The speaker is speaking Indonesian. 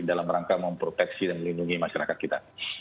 dalam rangka memproteksi dan melindungi masyarakat kita